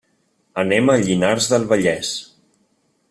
Anem a Llinars del Vallès.